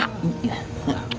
maksudnya sama lo juga